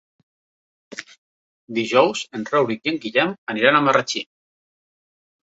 Dijous en Rauric i en Guillem aniran a Marratxí.